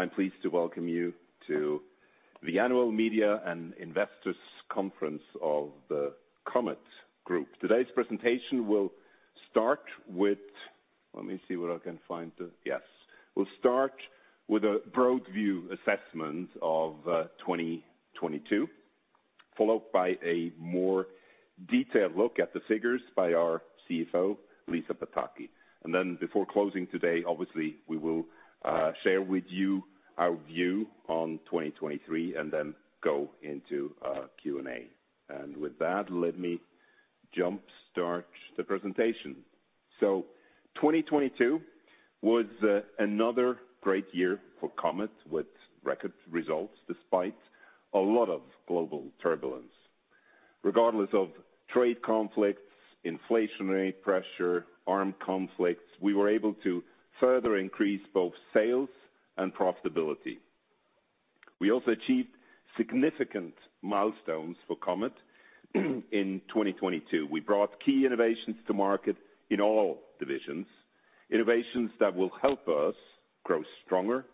I'm pleased to welcome you to the Annual Media and Investors Conference of the Comet Group. Today's presentation will start with a broad view assessment of 2022, followed by a more detailed look at the figures by our CFO, Lisa Pataki. Before closing today, obviously, we will share with you our view on 2023 and go into a Q&A. With that, let me jump-start the presentation. 2022 was another great year for Comet with record results despite a lot of global turbulence. Regardless of trade conflicts, inflationary pressure, armed conflicts, we were able to further increase both sales and profitability. We also achieved significant milestones for Comet in 2022. We brought key innovations to market in all divisions, innovations that will help us grow stronger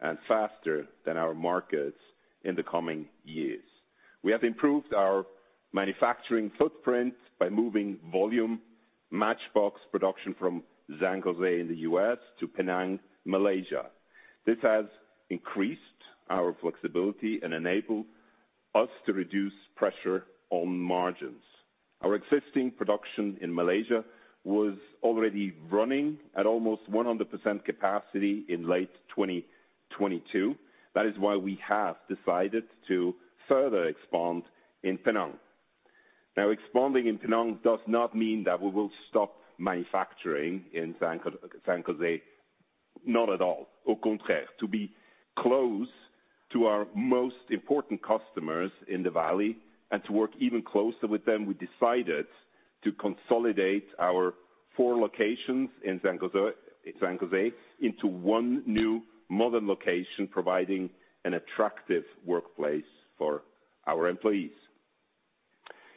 and faster than our markets in the coming years. We have improved our manufacturing footprint by moving volume matchbox production from San Jose in the U.S. to Penang, Malaysia. This has increased our flexibility and enabled us to reduce pressure on margins. Our existing production in Malaysia was already running at almost 100% capacity in late 2022. That is why we have decided to further expand in Penang. Expanding in Penang does not mean that we will stop manufacturing in San Jose, not at all. To be close to our most important customers in the valley and to work even closer with them, we decided to consolidate our four locations in San Jose into one new modern location, providing an attractive workplace for our employees.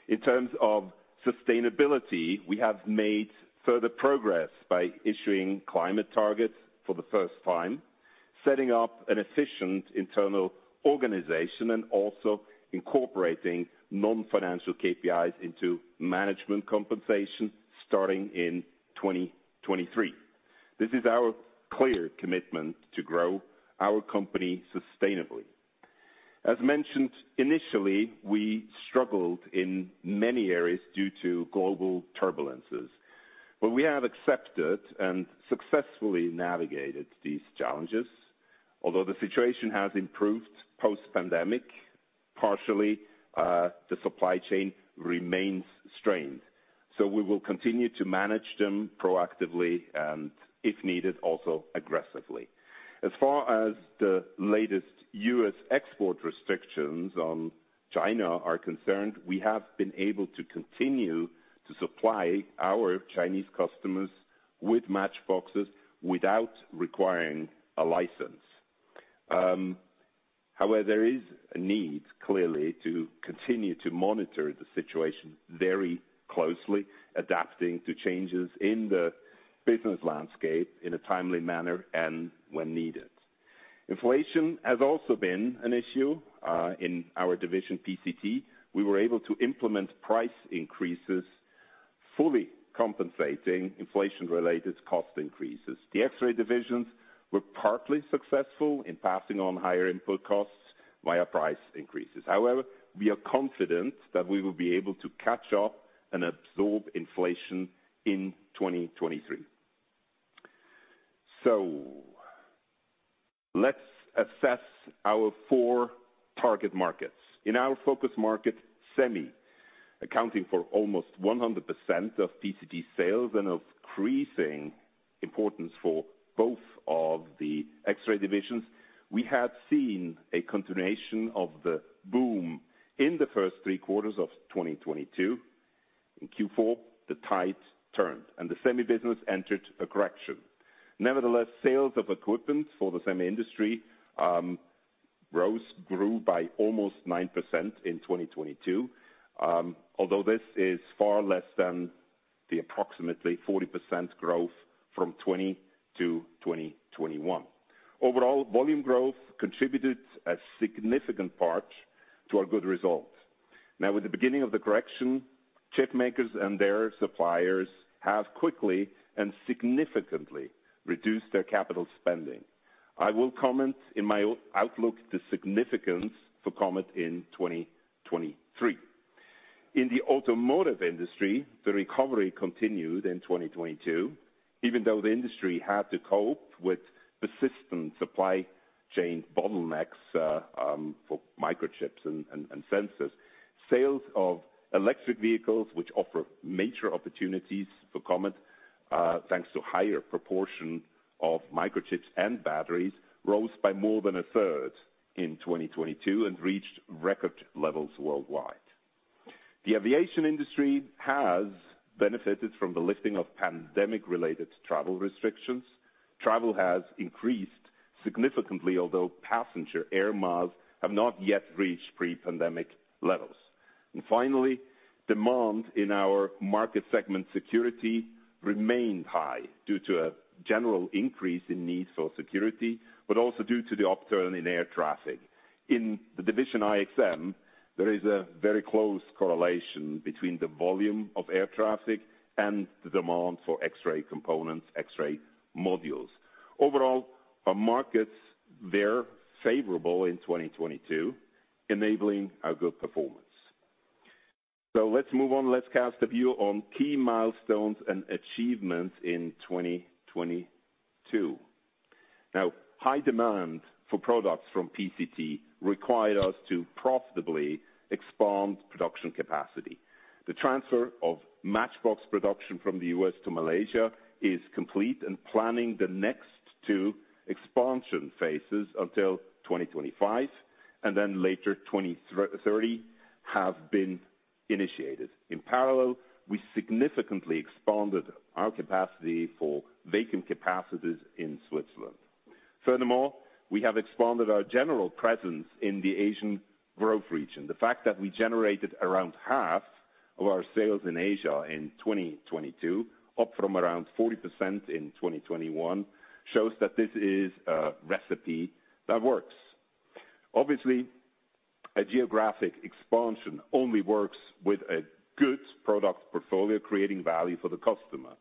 In terms of sustainability, we have made further progress by issuing climate targets for the first time, setting up an efficient internal organization, and also incorporating non-financial KPIs into management compensation starting in 2023. This is our clear commitment to grow our company sustainably. As mentioned, initially, we struggled in many areas due to global turbulences, but we have accepted and successfully navigated these challenges. Although the situation has improved post-pandemic, partially, the supply chain remains strained. We will continue to manage them proactively and if needed, also aggressively. As far as the latest U.S. export restrictions on China are concerned, we have been able to continue to supply our Chinese customers with matchboxes without requiring a license. However, there is a need, clearly, to continue to monitor the situation very closely, adapting to changes in the business landscape in a timely manner and when needed. Inflation has also been an issue in our division, PCT. We were able to implement price increases, fully compensating inflation-related cost increases. The X-ray divisions were partly successful in passing on higher input costs via price increases. However, we are confident that we will be able to catch up and absorb inflation in 2023. Let's assess our four target markets. In our focus market, semi, accounting for almost 100% of PCT sales and increasing importance for both of the X-ray divisions, we have seen a continuation of the boom in the first three quarters of 2022. In Q4, the tide turned, and the semi business entered a correction. Nevertheless, sales of equipment for the semi industry rose, grew by almost 9% in 2022, although this is far less than the approximately 40% growth from 2020 to 2021. Overall, volume growth contributed a significant part to our good results. With the beginning of the correction, chip makers and their suppliers have quickly and significantly reduced their capital spending. I will comment in my outlook, the significance for Comet in 2023. In the automotive industry, the recovery continued in 2022, even though the industry had to cope with persistent supply chain bottlenecks for microchips and sensors. Sales of electric vehicles, which offer major opportunities for Comet, thanks to higher proportion of microchips and batteries, rose by more than a third in 2022 and reached record levels worldwide. The aviation industry has benefited from the lifting of pandemic-related travel restrictions. Travel has increased significantly, although passenger air miles have not yet reached pre-pandemic levels. Finally, demand in our market segment security remained high due to a general increase in need for security, but also due to the upturn in air traffic. In the division IXM, there is a very close correlation between the volume of air traffic and the demand for X-ray components, X-ray modules. Overall, our markets, they're favorable in 2022, enabling a good performance. Let's move on. Let's cast a view on key milestones and achievements in 2022. High demand for products from PCT required us to profitably expand production capacity. The transfer of matchbox production from the U.S. to Malaysia is complete, and planning the next two expansion phases until 2025, and then later 2030, have been initiated. In parallel, we significantly expanded our capacity for vacuum capacitors in Switzerland. We have expanded our general presence in the Asian growth region. The fact that we generated around half of our sales in Asia in 2022, up from around 40% in 2021, shows that this is a recipe that works. Obviously, a geographic expansion only works with a good product portfolio creating value for the customer.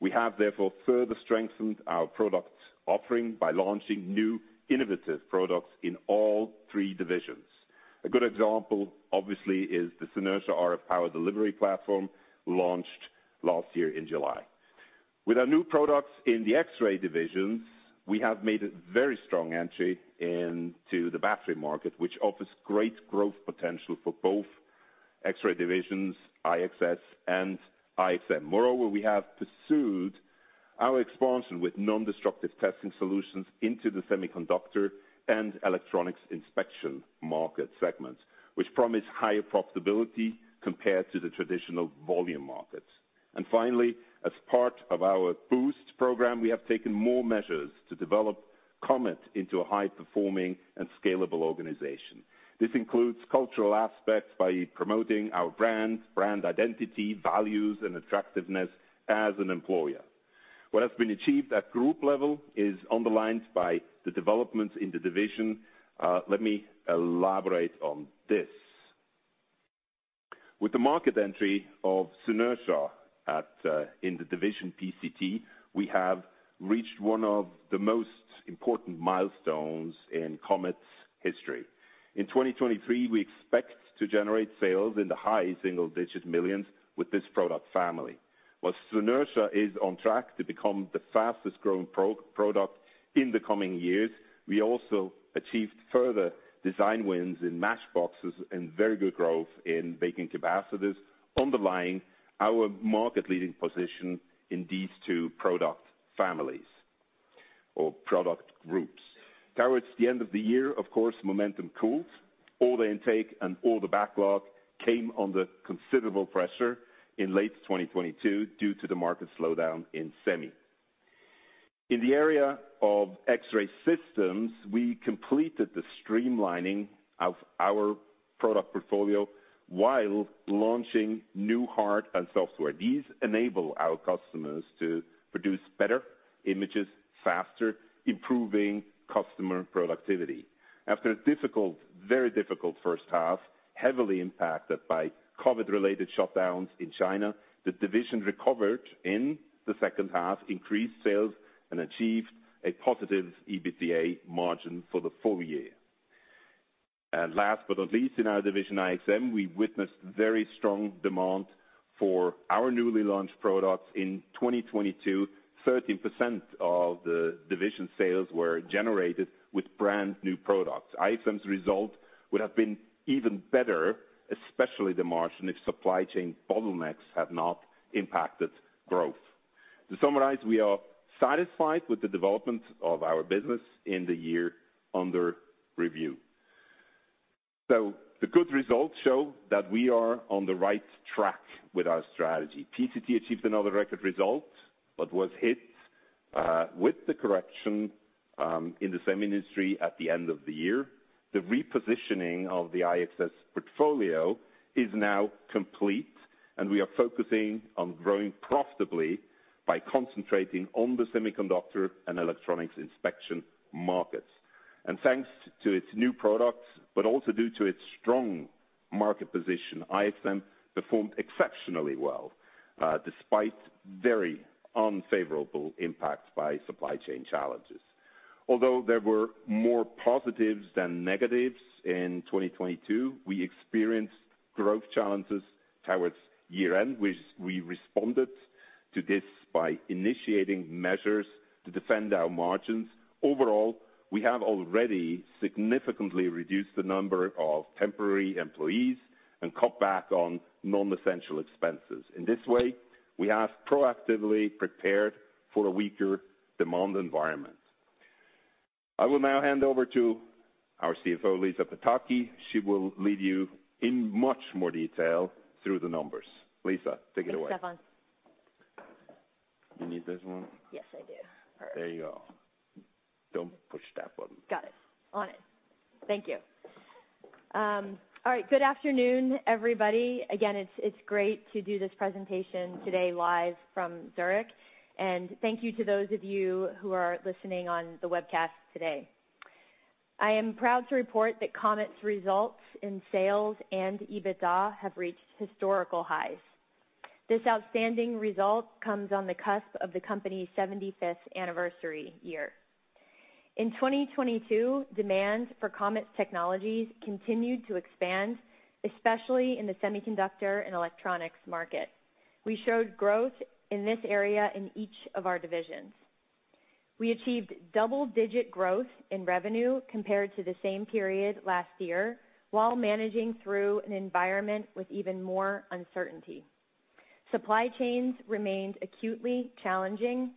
We have therefore further strengthened our product offering by launching new innovative products in all three divisions. A good example, obviously, is the Synertia RF Power Delivery Platform launched last year in July. With our new products in the X-Ray divisions, we have made a very strong entry into the battery market, which offers great growth potential for both X-Ray divisions, IXS and IXM. Moreover, we have pursued our expansion with nondestructive testing solutions into the semiconductor and electronics inspection market segments, which promise higher profitability compared to the traditional volume markets. Finally, as part of our Boost program, we have taken more measures to develop Comet into a high-performing and scalable organization. This includes cultural aspects by promoting our brand identity, values, and attractiveness as an employer. What has been achieved at group level is underlined by the developments in the division. Let me elaborate on this. With the market entry of Synertia in the division PCT, we have reached one of the most important milestones in Comet's history. In 2023, we expect to generate sales in the high single-digit millions with this product family. While Synertia is on track to become the fastest-growing pro-product in the coming years, we also achieved further design wins in matchboxes and very good growth in vacuum capacitors, underlying our market-leading position in these two product families or product groups. Towards the end of the year, of course, momentum cooled. Order intake and order backlog came under considerable pressure in late 2022 due to the market slowdown in semi. In the area of X-Ray Systems, we completed the streamlining of our product portfolio while launching new hard and software. These enable our customers to produce better images faster, improving customer productivity. After a difficult, very difficult first half, heavily impacted by COVID-related shutdowns in China, the division recovered in the second half, increased sales, and achieved a positive EBITDA margin for the full year. Last but not least, in our division IXM, we witnessed very strong demand for our newly launched products. In 2022, 13% of the division sales were generated with brand-new products. IXM's result would have been even better, especially the margin, if supply chain bottlenecks had not impacted growth. To summarize, we are satisfied with the development of our business in the year under review. The good results show that we are on the right track with our strategy. PCT achieved another record result but was hit with the correction in the semi industry at the end of the year. The repositioning of the IXS portfolio is now complete, and we are focusing on growing profitably by concentrating on the semiconductor and electronics inspection markets. Thanks to its new products, but also due to its strong market position, IXM performed exceptionally well, despite very unfavorable impacts by supply chain challenges. There were more positives than negatives in 2022, we experienced growth challenges towards year-end. We responded to this by initiating measures to defend our margins. Overall, we have already significantly reduced the number of temporary employees and cut back on non-essential expenses. In this way, we have proactively prepared for a weaker demand environment. I will now hand over to our CFO, Lisa Pataki. She will lead you in much more detail through the numbers. Lisa, take it away. You need this one? Yes, I do. There you go. Don't push that button. Got it. On it. Thank you. All right. Good afternoon, everybody. Again, it's great to do this presentation today live from Zurich. Thank you to those of you who are listening on the webcast today. I am proud to report that Comet's results in sales and EBITDA have reached historical highs. This outstanding result comes on the cusp of the company's 75th anniversary year. In 2022, demand for Comet's technologies continued to expand, especially in the semiconductor and electronics market. We showed growth in this area in each of our divisions. We achieved double-digit growth in revenue compared to the same period last year, while managing through an environment with even more uncertainty. Supply chains remained acutely challenging.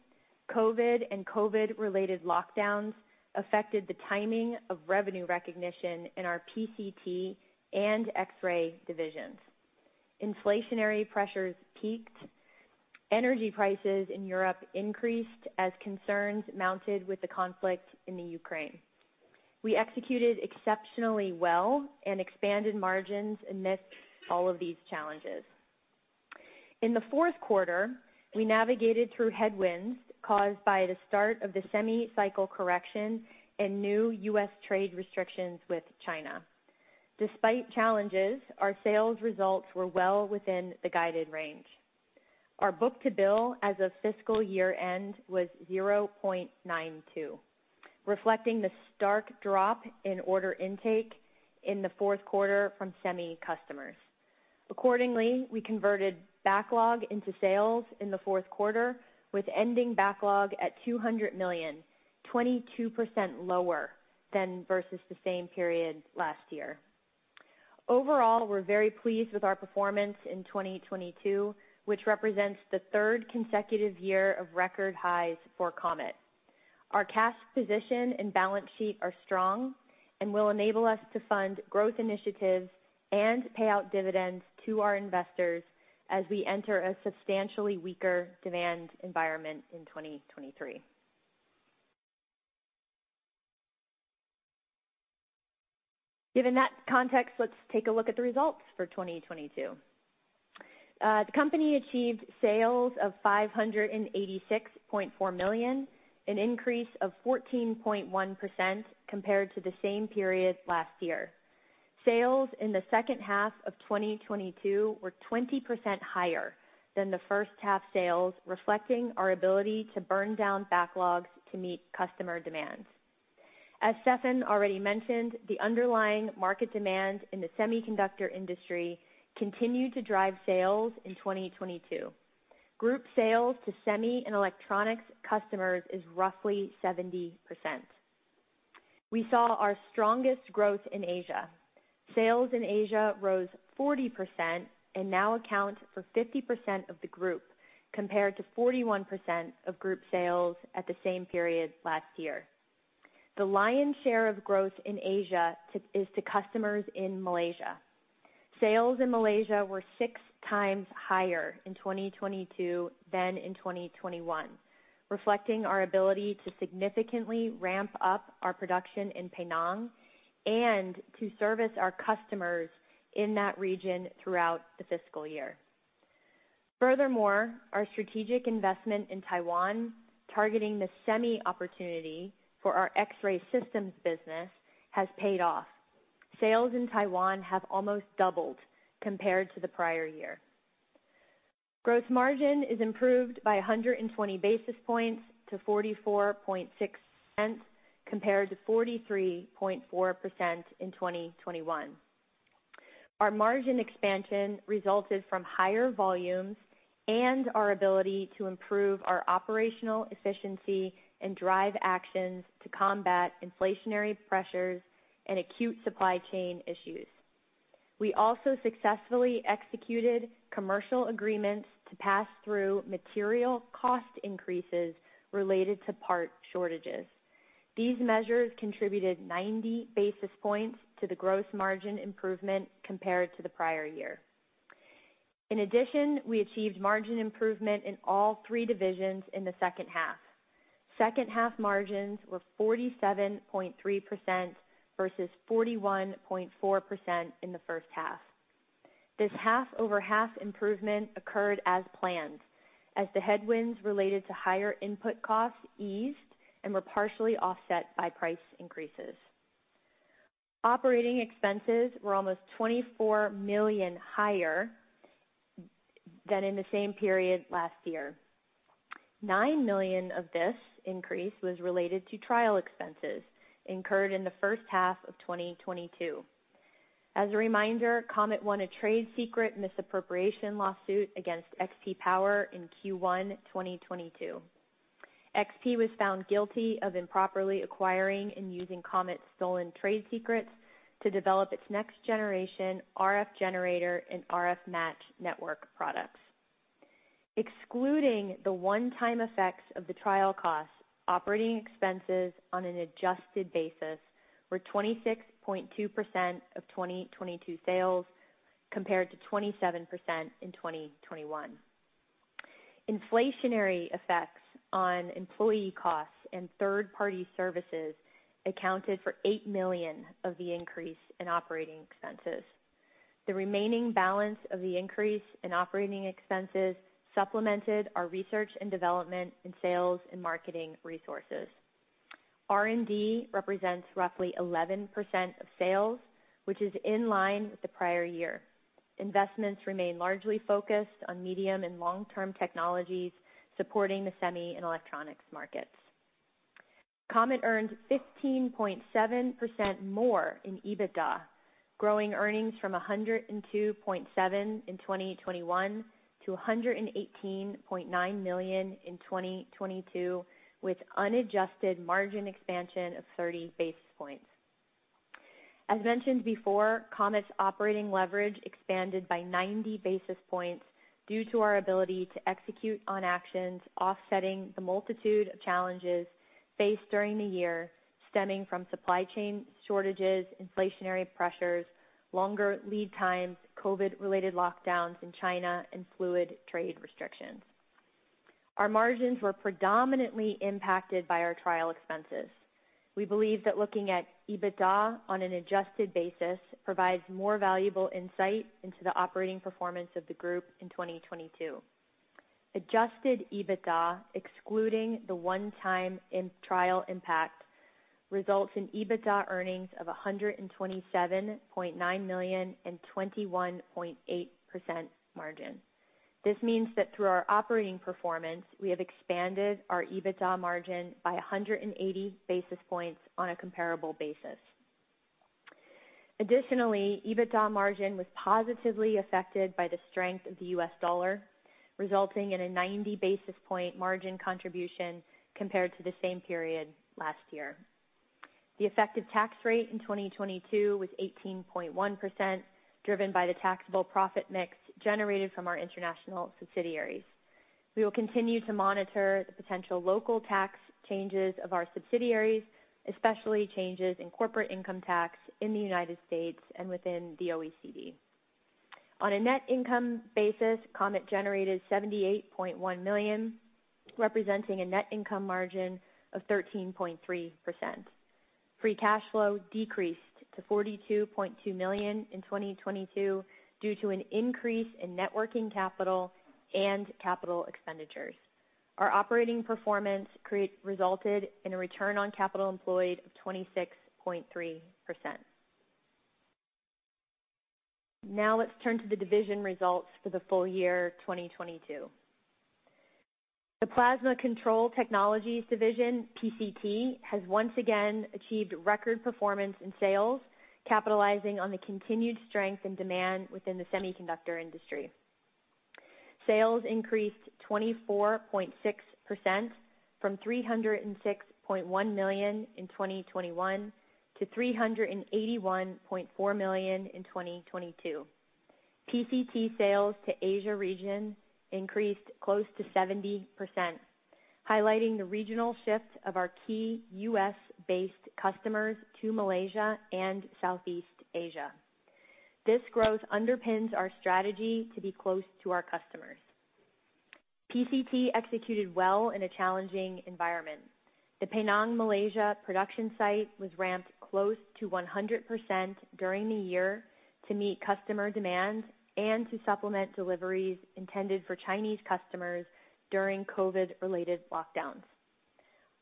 COVID and COVID-related lockdowns affected the timing of revenue recognition in our PCT and X-ray divisions. Inflationary pressures peaked. Energy prices in Europe increased as concerns mounted with the conflict in Ukraine. We executed exceptionally well and expanded margins amidst all of these challenges. In the fourth quarter, we navigated through headwinds caused by the start of the semi-cycle correction and new U.S. trade restrictions with China. Despite challenges, our sales results were well within the guided range. Our book-to-bill as of fiscal year-end was 0.92, reflecting the stark drop in order intake in the fourth quarter from semi customers. Accordingly, we converted backlog into sales in the fourth quarter, with ending backlog at 200 million, 22% lower than versus the same period last year. Overall, we're very pleased with our performance in 2022, which represents the third consecutive year of record highs for Comet. Our cash position and balance sheet are strong and will enable us to fund growth initiatives and pay out dividends to our investors as we enter a substantially weaker demand environment in 2023. Given that context, let's take a look at the results for 2022. The company achieved sales of 586.4 million, an increase of 14.1% compared to the same period last year. Sales in the second half of 2022 were 20% higher than the first half sales, reflecting our ability to burn down backlogs to meet customer demands. As Stephan already mentioned, the underlying market demand in the semiconductor industry continued to drive sales in 2022. Group sales to semi and electronics customers is roughly 70%. We saw our strongest growth in Asia. Sales in Asia rose 40% and now account for 50% of the group, compared to 41% of group sales at the same period last year. The lion share of growth in Asia is to customers in Malaysia. Sales in Malaysia were 6x higher in 2022 than in 2021, reflecting our ability to significantly ramp up our production in Penang and to service our customers in that region throughout the fiscal year. Furthermore, our strategic investment in Taiwan, targeting the semi opportunity for our X-Ray Systems business, has paid off. Sales in Taiwan have almost doubled compared to the prior year. Gross margin is improved by 120 basis points to 44.6%, compared to 43.4% in 2021. Our margin expansion resulted from higher volumes and our ability to improve our operational efficiency and drive actions to combat inflationary pressures and acute supply chain issues. We also successfully executed commercial agreements to pass through material cost increases related to part shortages. These measures contributed 90 basis points to the gross margin improvement compared to the prior year. In addition, we achieved margin improvement in all three divisions in the second half. Second half margins were 47.3% versus 41.4% in the first half. This half-over-half improvement occurred as planned as the headwinds related to higher input costs eased and were partially offset by price increases. Operating expenses were almost 24 million higher than in the same period last year. 9 million of this increase was related to trial expenses incurred in the first half of 2022. As a reminder, Comet won a trade secret misappropriation lawsuit against XP Power in Q1 2022. XP was found guilty of improperly acquiring and using Comet's stolen trade secrets to develop its next-generation RF generator and RF match network products. Excluding the one-time effects of the trial costs, operating expenses on an adjusted basis were 26.2% of 2022 sales. Compared to 27% in 2021. Inflationary effects on employee costs and third-party services accounted for 8 million of the increase in operating expenses. The remaining balance of the increase in operating expenses supplemented our research and development and sales and marketing resources. R&D represents roughly 11% of sales, which is in line with the prior year. Investments remain largely focused on medium and long-term technologies supporting the semi and electronics markets. Comet earned 15.7% more in EBITDA, growing earnings from 102.7 in 2021 to 118.9 million in 2022, with unadjusted margin expansion of 30 basis points. Mentioned before, Comet's operating leverage expanded by 90 basis points due to our ability to execute on actions offsetting the multitude of challenges faced during the year, stemming from supply chain shortages, inflationary pressures, longer lead times, COVID-related lockdowns in China, and fluid trade restrictions. Our margins were predominantly impacted by our trial expenses. We believe that looking at EBITDA on an adjusted basis provides more valuable insight into the operating performance of the group in 2022. Adjusted EBITDA, excluding the one-time trial impact, results in EBITDA earnings of 127.9 million and 21.8% margin. This means that through our operating performance, we have expanded our EBITDA margin by 180 basis points on a comparable basis. Additionally, EBITDA margin was positively affected by the strength of the U.S. dollar, resulting in a 90 basis point margin contribution compared to the same period last year. The effective tax rate in 2022 was 18.1%, driven by the taxable profit mix generated from our international subsidiaries. We will continue to monitor the potential local tax changes of our subsidiaries, especially changes in corporate income tax in the U.S. and within the OECD. On a net income basis, Comet generated 78.1 million, representing a net income margin of 13.3%. Free cash flow decreased to 42.2 million in 2022 due to an increase in net working capital and capital expenditures. Our operating performance resulted in a return on capital employed of 26.3%. Let's turn to the division results for the full year 2022. The Plasma Control Technologies division, PCT, has once again achieved record performance in sales, capitalizing on the continued strength and demand within the semiconductor industry. Sales increased 24.6% from 306.1 million in 2021 to 381.4 million in 2022. PCT sales to Asia region increased close to 70%, highlighting the regional shift of our key U.S.-based customers to Malaysia and Southeast Asia. This growth underpins our strategy to be close to our customers. PCT executed well in a challenging environment. The Penang, Malaysia, production site was ramped close to 100% during the year to meet customer demand and to supplement deliveries intended for Chinese customers during COVID-related lockdowns.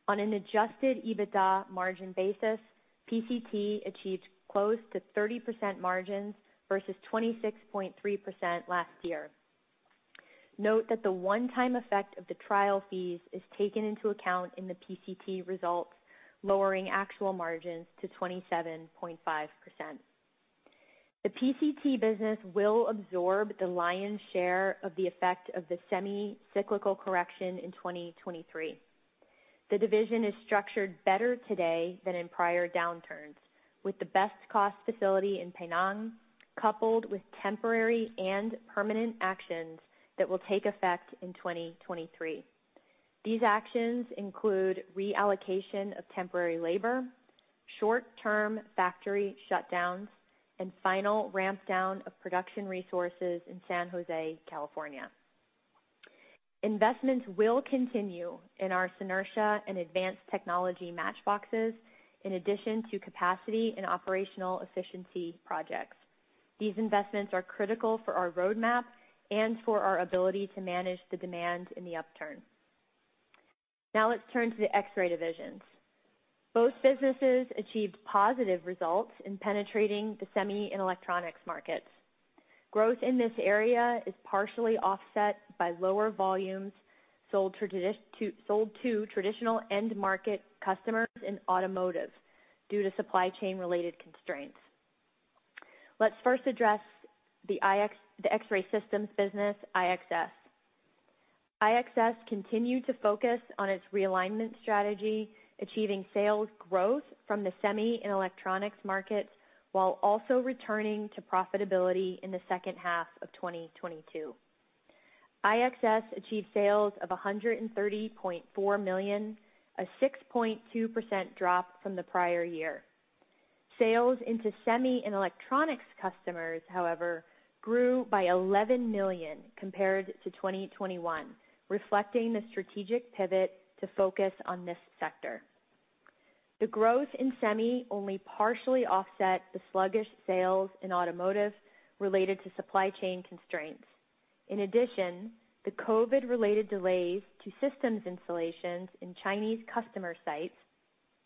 On an Adjusted EBITDA margin basis, PCT achieved close to 30% margins versus 26.3% last year. Note that the one-time effect of the trial fees is taken into account in the PCT results, lowering actual margins to 27.5%. The PCT business will absorb the lion's share of the effect of the semi-cyclical correction in 2023. The division is structured better today than in prior downturns, with the best cost facility in Penang, coupled with temporary and permanent actions that will take effect in 2023. These actions include reallocation of temporary labor, short-term factory shutdowns, and final ramp down of production resources in San Jose, California. Investments will continue in our Synertia and advanced technology matchboxes, in addition to capacity and operational efficiency projects. These investments are critical for our roadmap and for our ability to manage the demand in the upturn. Let's turn to the X-ray divisions. Both businesses achieved positive results in penetrating the semi and electronics markets. Growth in this area is partially offset by lower volumes sold to traditional end-market customers in automotive due to supply chain-related constraints. Let's first address the X-ray systems business, IXS. IXS continued to focus on its realignment strategy, achieving sales growth from the semi and electronics markets while also returning to profitability in the second half of 2022. IXS achieved sales of 130.4 million, a 6.2% drop from the prior year. Sales into semi and electronics customers, however, grew by 11 million compared to 2021, reflecting the strategic pivot to focus on this sector. The growth in semi only partially offset the sluggish sales in automotive related to supply chain constraints. In addition, the COVID-related delays to systems installations in Chinese customer sites,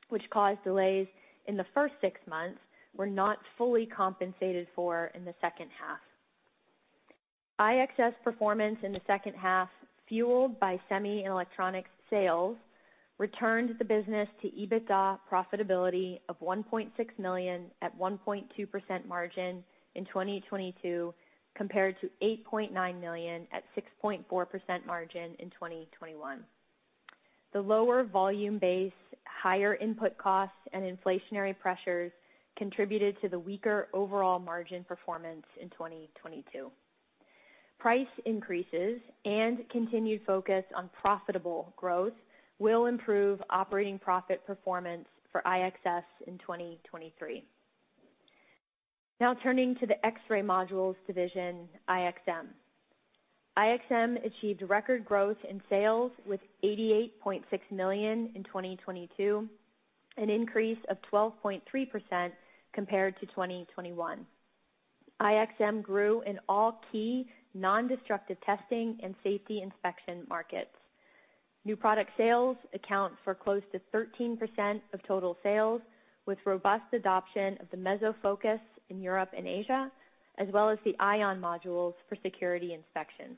which caused delays in the first six months, were not fully compensated for in the second half. IXS performance in the second half, fueled by semi and electronic sales, returned the business to EBITDA profitability of 1.6 million at 1.2% margin in 2022, compared to 8.9 million at 6.4% margin in 2021. The lower volume base, higher input costs, and inflationary pressures contributed to the weaker overall margin performance in 2022. Price increases and continued focus on profitable growth will improve operating profit performance for IXS in 2023. Turning to the X-ray modules division, IXM. IXM achieved record growth in sales with 88.6 million in 2022, an increase of 12.3% compared to 2021. IXM grew in all key nondestructive testing and safety inspection markets. New product sales account for close to 13% of total sales, with robust adoption of the MesoFocus in Europe and Asia, as well as the ION modules for security inspection.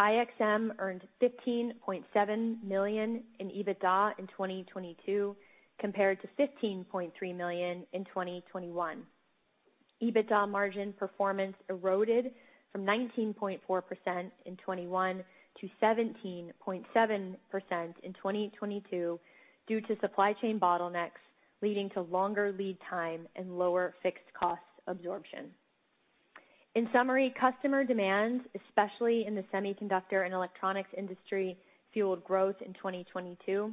IXM earned 15.7 million in EBITDA in 2022 compared to 15.3 million in 2021. EBITDA margin performance eroded from 19.4% in 2021 to 17.7% in 2022 due to supply chain bottlenecks, leading to longer lead time and lower fixed cost absorption. In summary, customer demand, especially in the semiconductor and electronics industry, fueled growth in 2022.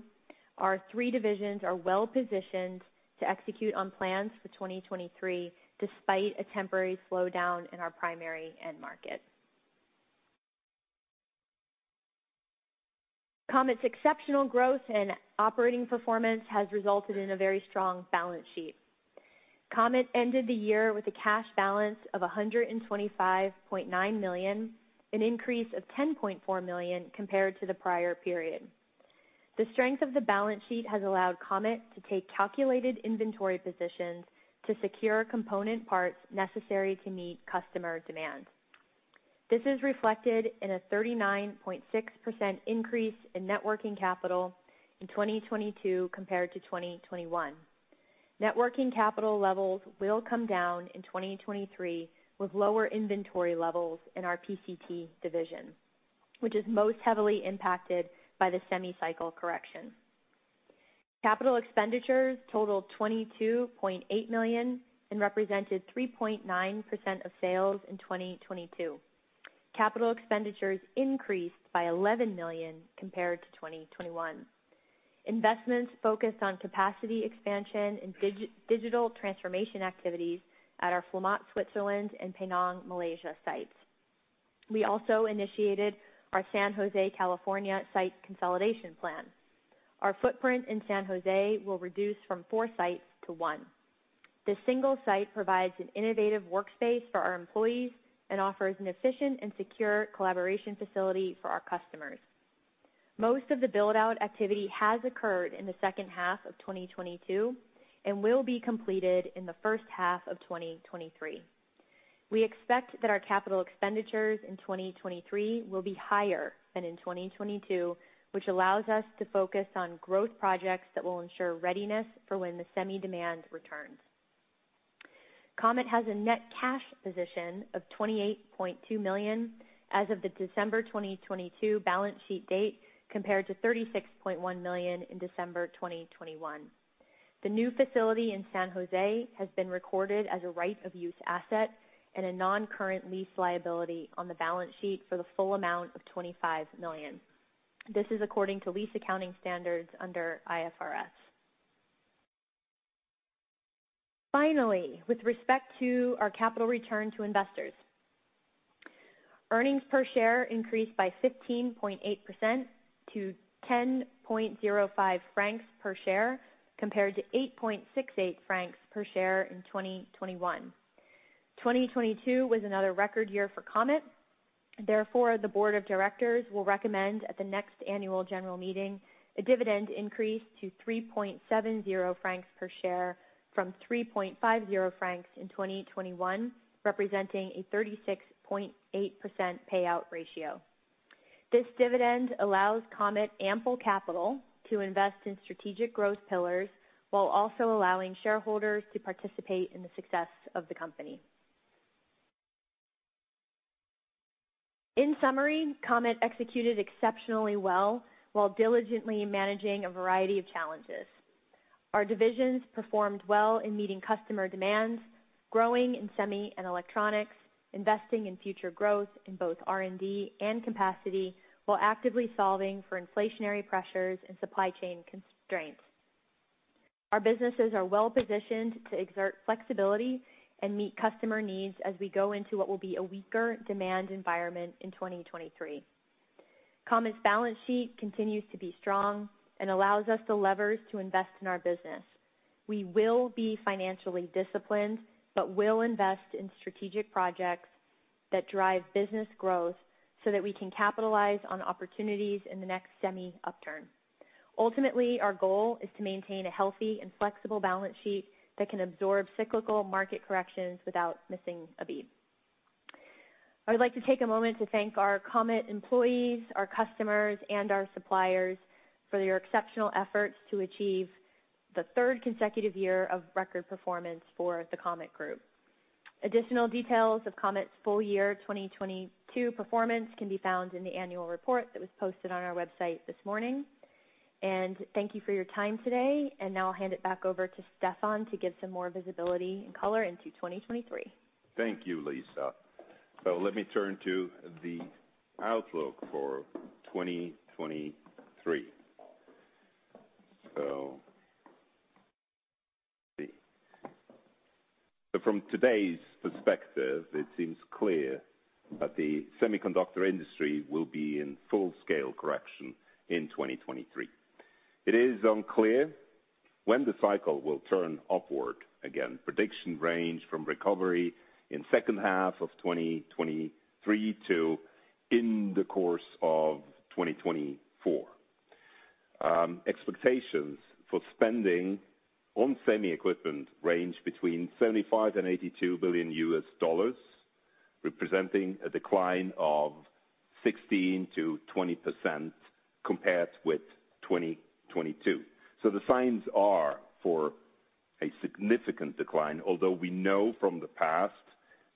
Our three divisions are well-positioned to execute on plans for 2023, despite a temporary slowdown in our primary end market. Comet's exceptional growth and operating performance has resulted in a very strong balance sheet. Comet ended the year with a cash balance of 125.9 million, an increase of 10.4 million compared to the prior period. The strength of the balance sheet has allowed Comet to take calculated inventory positions to secure component parts necessary to meet customer demands. This is reflected in a 39.6% increase in net working capital in 2022 compared to 2021. Net working capital levels will come down in 2023 with lower inventory levels in our PCT division, which is most heavily impacted by the semi-cycle correction. Capital expenditures totaled 22.8 million and represented 3.9% of sales in 2022. Capital expenditures increased by 11 million compared to 2021. Investments focused on capacity expansion and digi-digital transformation activities at our Flamatt, Switzerland, and Penang, Malaysia sites. We also initiated our San Jose, California, site consolidation plan. Our footprint in San Jose will reduce from four sites to one. This single site provides an innovative workspace for our employees and offers an efficient and secure collaboration facility for our customers. Most of the build-out activity has occurred in the second half of 2022 and will be completed in the first half of 2023. We expect that our capital expenditures in 2023 will be higher than in 2022, which allows us to focus on growth projects that will ensure readiness for when the semi demand returns. Comet has a net cash position of 28.2 million as of the December 2022 balance sheet date, compared to 36.1 million in December 2021. The new facility in San Jose has been recorded as a right-of-use asset and a non-current lease liability on the balance sheet for the full amount of 25 million. This is according to lease accounting standards under IFRS. Finally, with respect to our capital return to investors. Earnings per share increased by 15.8% to 10.05 francs per share, compared to 8.68 francs per share in 2021. 2022 was another record year for Comet. The board of directors will recommend at the next annual general meeting a dividend increase to 3.70 francs per share from 3.50 francs in 2021, representing a 36.8% payout ratio. This dividend allows Comet ample capital to invest in strategic growth pillars while also allowing shareholders to participate in the success of the company. In summary, Comet executed exceptionally well while diligently managing a variety of challenges. Our divisions performed well in meeting customer demands, growing in semi and electronics, investing in future growth in both R&D and capacity, while actively solving for inflationary pressures and supply chain constraints. Our businesses are well-positioned to exert flexibility and meet customer needs as we go into what will be a weaker demand environment in 2023. Comet's balance sheet continues to be strong and allows us the levers to invest in our business. We will be financially disciplined, but will invest in strategic projects that drive business growth so that we can capitalize on opportunities in the next semi upturn. Ultimately, our goal is to maintain a healthy and flexible balance sheet that can absorb cyclical market corrections without missing a beat. I would like to take a moment to thank our Comet employees, our customers, and our suppliers for your exceptional efforts to achieve the third consecutive year of record performance for the Comet Group. Additional details of Comet's full year 2022 performance can be found in the annual report that was posted on our website this morning. Thank you for your time today. Now I'll hand it back over to Stephan to give some more visibility and color into 2023. Thank you, Lisa. Let me turn to the outlook for 2023. From today's perspective, it seems clear that the semiconductor industry will be in full scale correction in 2023. It is unclear when the cycle will turn upward. Again, prediction range from recovery in second half of 2023 to in the course of 2024. Expectations for spending on semi equipment range between $75 billion and $82 billion, representing a decline of 16%-20% compared with 2022. The signs are for a significant decline, although we know from the past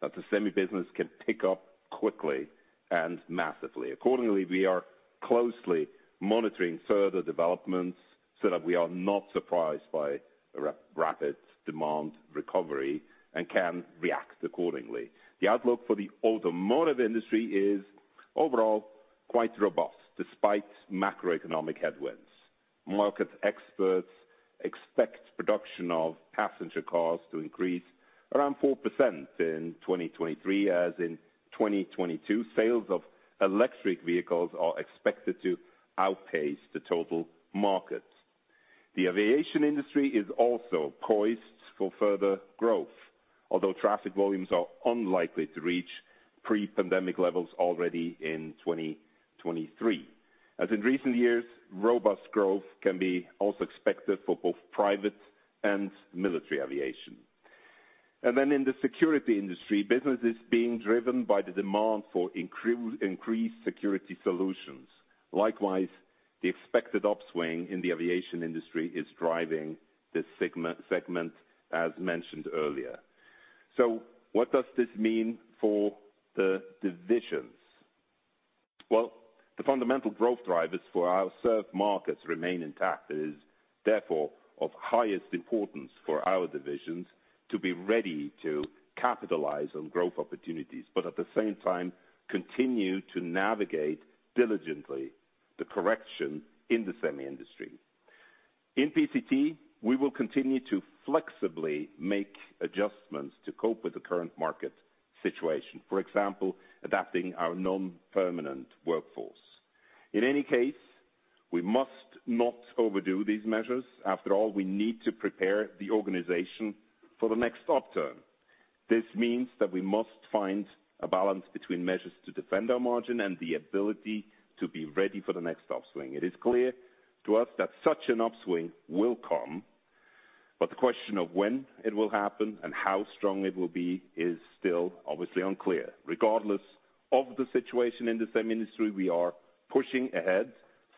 that the semi business can pick up quickly and massively. Accordingly, we are closely monitoring further developments so that we are not surprised by a rapid demand recovery and can react accordingly. The outlook for the automotive industry is overall quite robust, despite macroeconomic headwinds. Market experts expect production of passenger cars to increase around 4% in 2023. As in 2022, sales of electric vehicles are expected to outpace the total market. The aviation industry is also poised for further growth, although traffic volumes are unlikely to reach pre-pandemic levels already in 2023. As in recent years, robust growth can be also expected for both private and military aviation. In the security industry, business is being driven by the demand for increased security solutions. Likewise, the expected upswing in the aviation industry is driving this segment, as mentioned earlier. What does this mean for the divisions? Well, the fundamental growth drivers for our served markets remain intact. It is therefore of highest importance for our divisions to be ready to capitalize on growth opportunities, at the same time, continue to navigate diligently the correction in the semi industry. In PCT, we will continue to flexibly make adjustments to cope with the current market situation, for example, adapting our non-permanent workforce. In any case, we must not overdo these measures. After all, we need to prepare the organization for the next upturn. This means that we must find a balance between measures to defend our margin and the ability to be ready for the next upswing. It is clear to us that such an upswing will come, the question of when it will happen and how strong it will be is still obviously unclear. Regardless of the situation in the semi industry, we are pushing ahead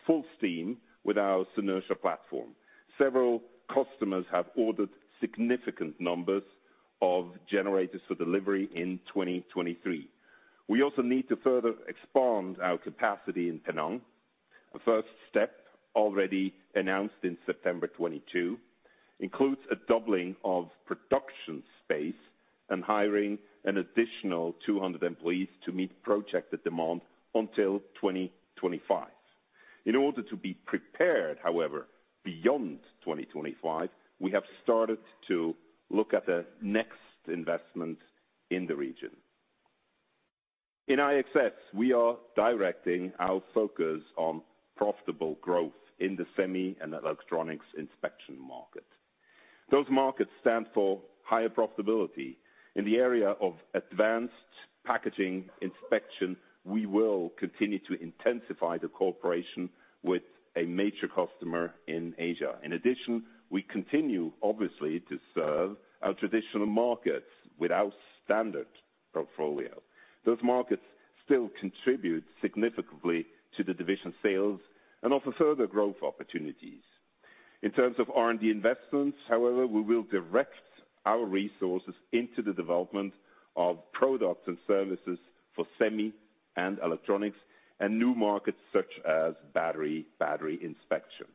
full steam with our Synertia platform. Several customers have ordered significant numbers of generators for delivery in 2023. We also need to further expand our capacity in Penang. The first step, already announced in September 2022, includes a doubling of production space and hiring an additional 200 employees to meet projected demand until 2025. In order to be prepared, however, beyond 2025, we have started to look at the next investment in the region. In IXS, we are directing our focus on profitable growth in the semi and electronics inspection market. Those markets stand for higher profitability. In the area of advanced packaging inspection, we will continue to intensify the cooperation with a major customer in Asia. In addition, we continue, obviously, to serve our traditional markets with our standard portfolio. Those markets still contribute significantly to the division sales and offer further growth opportunities. In terms of R&D investments, however, we will direct our resources into the development of products and services for semi and electronics and new markets such as battery inspection.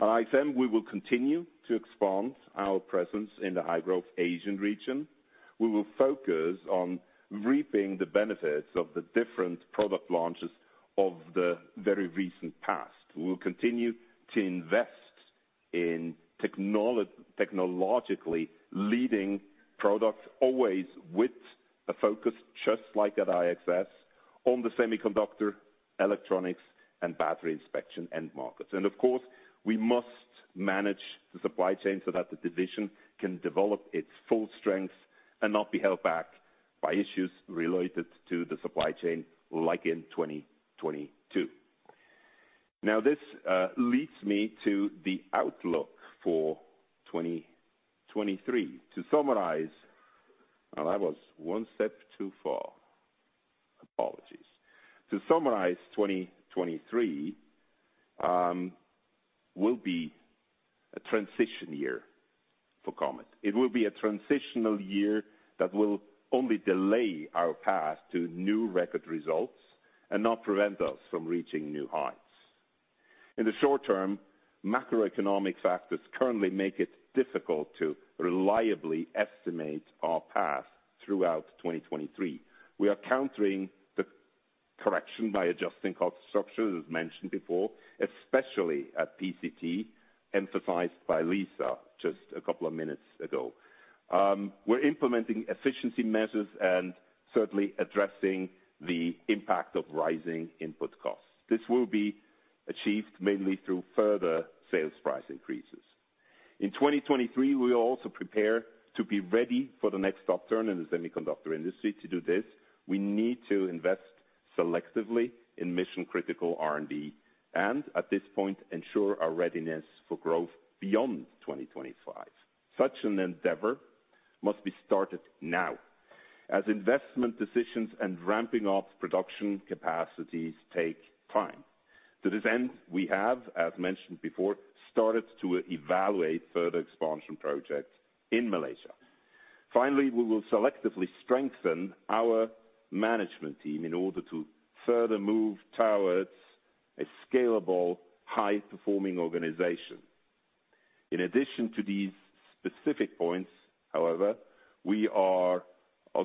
At IXM, we will continue to expand our presence in the high-growth Asian region. We will focus on reaping the benefits of the different product launches of the very recent past. We will continue to invest in technologically leading products, always with a focus, just like at IXS, on the semiconductor electronics and battery inspection end markets. Of course, we must manage the supply chain so that the division can develop its full strength and not be held back by issues related to the supply chain like in 2022. This leads me to the outlook for 2023. To summarize. That was one step too far. Apologies. To summarize, 2023 will be a transition year for Comet. It will be a transitional year that will only delay our path to new record results and not prevent us from reaching new heights. In the short term, macroeconomic factors currently make it difficult to reliably estimate our path throughout 2023. We are countering the correction by adjusting cost structure, as mentioned before, especially at PCT, emphasized by Lisa just a couple of minutes ago. We're implementing efficiency measures and certainly addressing the impact of rising input costs. This will be achieved mainly through further sales price increases. In 2023, we will also prepare to be ready for the next upturn in the semiconductor industry. To do this, we need to invest selectively in mission-critical R&D and, at this point, ensure our readiness for growth beyond 2025. Such an endeavor must be started now, as investment decisions and ramping up production capacities take time. To this end, we have, as mentioned before, started to evaluate further expansion projects in Malaysia. Finally, we will selectively strengthen our management team in order to further move towards a scalable, high-performing organization. In addition to these specific points, however, we have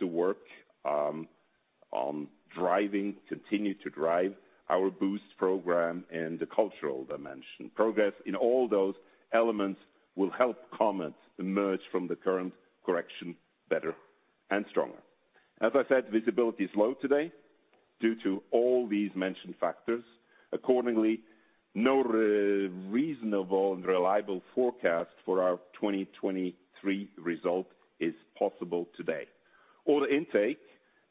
to work on driving, continue to drive our Boost program in the cultural dimension. Progress in all those elements will help Comet emerge from the current correction better and stronger. As I said, visibility is low today due to all these mentioned factors. Accordingly, no reasonable and reliable forecast for our 2023 result is possible today. Order intake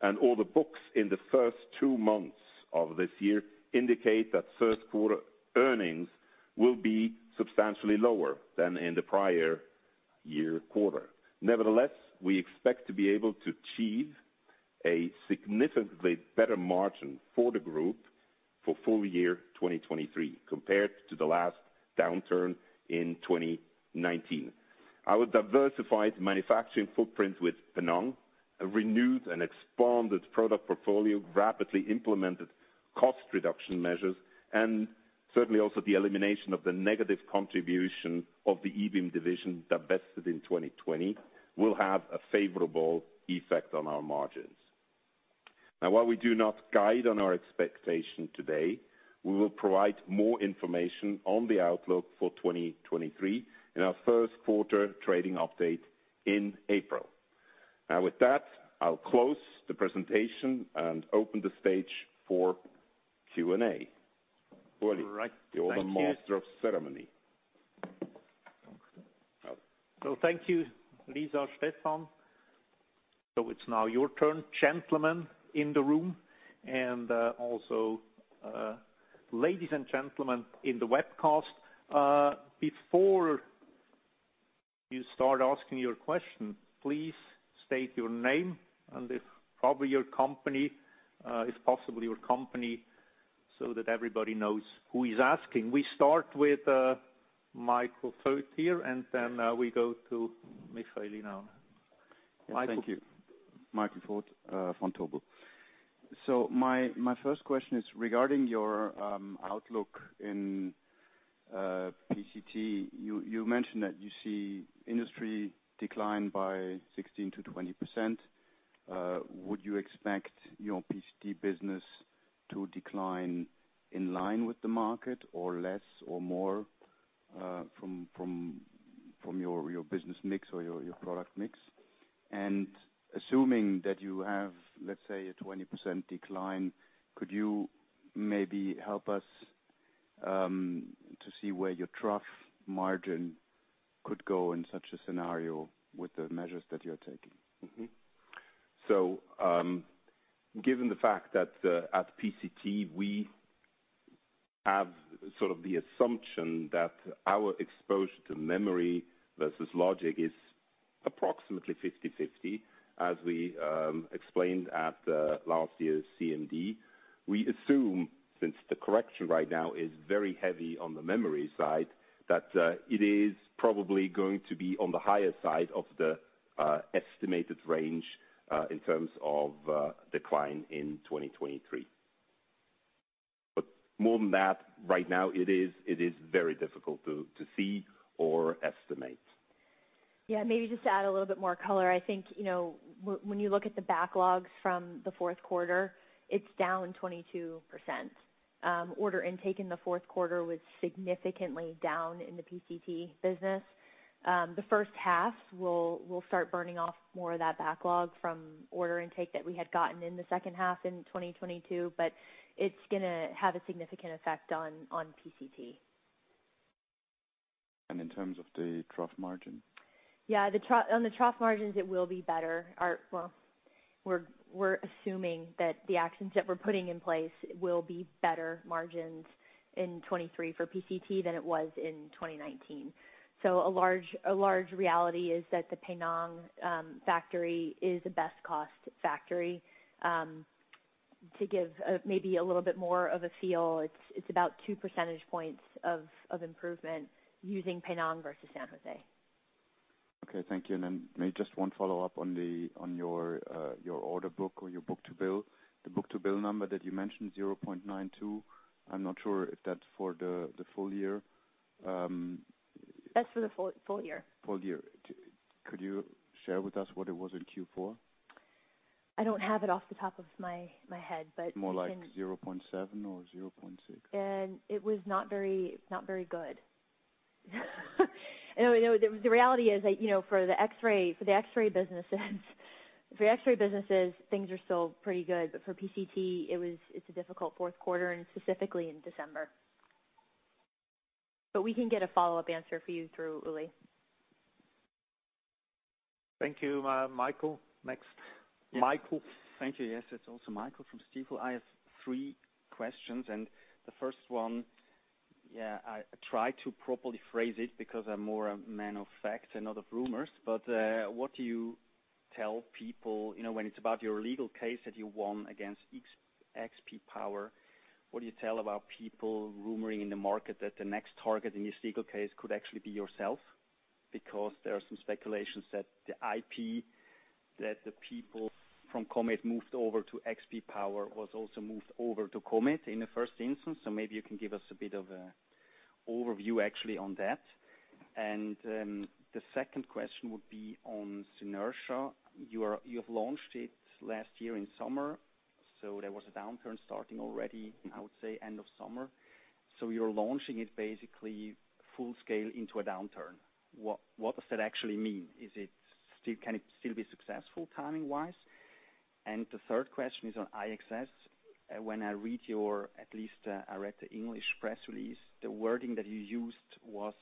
and order books in the first two months of this year indicate that first quarter earnings will be substantially lower than in the prior year quarter. We expect to be able to achieve a significantly better margin for the Comet Group for full year 2023 compared to the last downturn in 2019. Our diversified manufacturing footprint with Penang, a renewed and expanded product portfolio, rapidly implemented cost reduction measures, and certainly also the elimination of the negative contribution of the EBT division divested in 2020, will have a favorable effect on our margins. While we do not guide on our expectation today, we will provide more information on the outlook for 2023 in our first quarter trading update in April. With that, I'll close the presentation and open the stage for Q&A. Uli All right. Thank you. You're the master of ceremony. Thank you, Lisa, Stephan. It's now your turn, gentlemen, in the room and also, ladies and gentlemen in the webcast. Before you start asking your question, please state your name and if probably your company, if possible, your company, so that everybody knows who is asking. We start with Michael Foeth here, and then we go to Michalina. Michael. Thank you. Michael Foeth, from Vontobel. My first question is regarding your outlook in PCT. You mentioned that you see industry decline by 16%-20%. Would you expect your PCT business to decline in line with the market or less or more, from your business mix or your product mix? Assuming that you have, let's say, a 20% decline, could you maybe help us to see where your trough margin could go in such a scenario with the measures that you're taking? Given the fact that at PCT, we have sort of the assumption that our exposure to memory versus logic is approximately 50/50. As we explained at last year's CMD, we assume, since the correction right now is very heavy on the memory side, that it is probably going to be on the higher side of the estimated range in terms of decline in 2023. More than that, right now it is very difficult to see or estimate. Yeah. Maybe just to add a little bit more color. I think, you know, when you look at the backlogs from the fourth quarter, it's down 22%. Order intake in the fourth quarter was significantly down in the PCT business. The first half will start burning off more of that backlog from order intake that we had gotten in the second half in 2022, but it's gonna have a significant effect on PCT. In terms of the trough margin? Yeah, on the trough margins, it will be better. Well, we're assuming that the actions that we're putting in place will be better margins in 2023 for PCT than it was in 2019. A large reality is that the Penang factory is the best cost factory. To give maybe a little bit more of a feel, it's about 2 percentage points of improvement using Penang versus San Jose. Okay, thank you. Maybe just one follow-up on the, on your order book or your book-to-bill. The book-to-bill number that you mentioned, 0.92, I'm not sure if that's for the full year? That's for the full year. Full year. Could you share with us what it was in Q4? I don't have it off the top of my head. More like 0.7 or 0.6? It was not very good. You know, the reality is that, you know, for the X-ray businesses, things are still pretty good, but for PCT it's a difficult fourth quarter, and specifically in December. We can get a follow-up answer for you through Uli. Thank you. Michael next. Michael. Thank you. Yes, it's also Michael from Stifel. I have three questions. The first one, yeah, I try to properly phrase it because I'm more a man of fact and not of rumors. What do you tell people, you know, when it's about your legal case that you won against XP Power, what do you tell about people rumoring in the market that the next target in your legal case could actually be yourself? There are some speculations that the IP that the people from Comet moved over to XP Power was also moved over to Comet in the first instance. Maybe you can give us a bit of a overview actually on that. The second question would be on Synertia. You've launched it last year in summer, so there was a downturn starting already, I would say, end of summer. You're launching it basically full scale into a downturn. What does that actually mean? Can it still be successful timing-wise? The third question is on IXS. When I read your, at least I read the English press release, the wording that you used was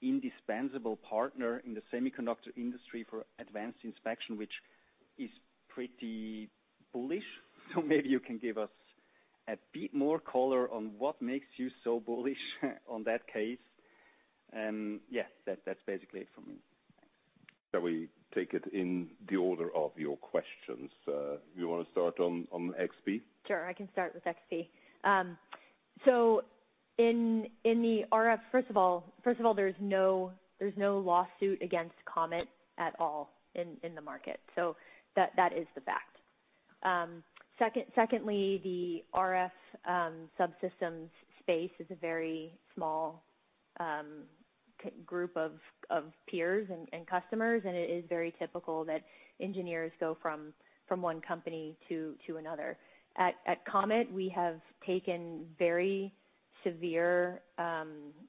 indispensable partner in the semiconductor industry for advanced inspection, which is pretty bullish. Maybe you can give us a bit more color on what makes you so bullish on that case. Yes, that's basically it for me. Shall we take it in the order of your questions? You wanna start on XP? Sure, I can start with XP. First of all, there's no lawsuit against Comet at all in the market. That is the fact. Secondly, the RF subsystems space is a very small group of peers and customers, and it is very typical that engineers go from one company to another. At Comet, we have taken very severe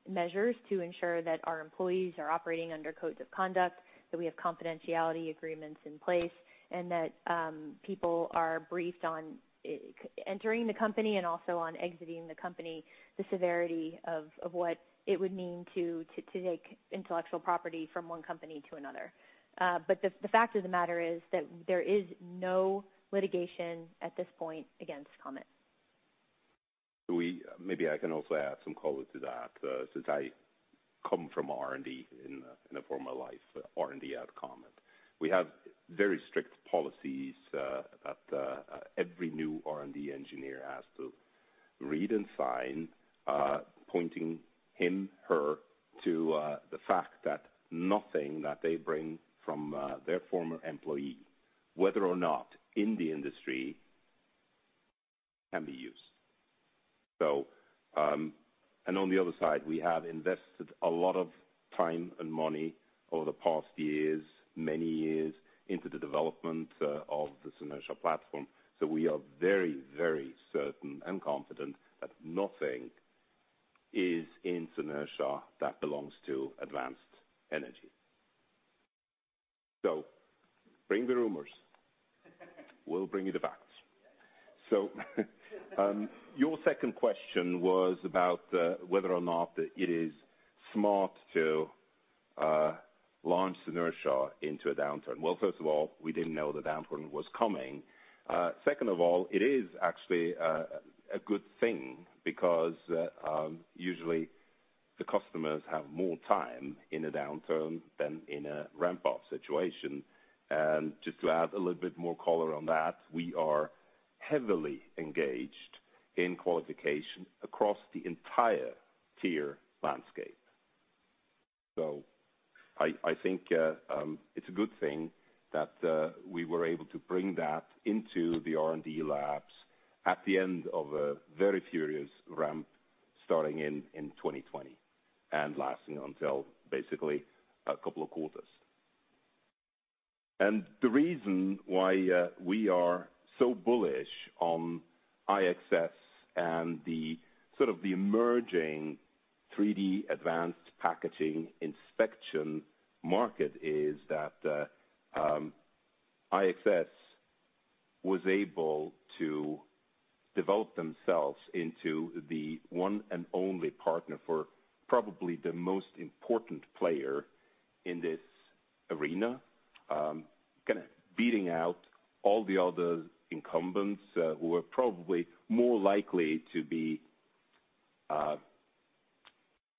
measures to ensure that our employees are operating under codes of conduct, that we have confidentiality agreements in place, and that people are briefed on entering the company and also on exiting the company, the severity of what it would mean to take intellectual property from one company to another. The fact of the matter is that there is no litigation at this point against Comet. Maybe I can also add some color to that, since I come from R&D in a former life, R&D at Comet. We have very strict policies that every new R&D engineer has to read and sign, pointing him/her to the fact that nothing that they bring from their former employee, whether or not in the industry, can be used. And on the other side, we have invested a lot of time and money over the past years, many years, into the development of the Synertia platform. We are very, very certain and confident that nothing is in Synertia that belongs to Advanced Energy. Bring the rumors. We'll bring you the facts. Yes. Your second question was about whether or not it is smart to launch Synertia into a downturn. First of all, we didn't know the downturn was coming. Second of all, it is actually a good thing because usually the customers have more time in a downturn than in a ramp up situation. Just to add a little bit more color on that, we are heavily engaged in qualification across the entire tier landscape. I think it's a good thing that we were able to bring that into the R&D labs at the end of a very furious ramp starting in 2020 and lasting until basically a couple of quarters. The reason why we are so bullish on IXS and the sort of the emerging 3D advanced packaging inspection market is that IXS was able to develop themselves into the one and only partner for probably the most important player in this arena. Kinda beating out all the other incumbents who are probably more likely to be